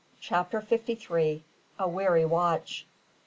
CHAPTER FIFTY THREE. A WEARY WATCH.